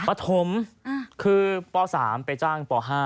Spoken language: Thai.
ปฐมคือป๓ไปจ้างป๕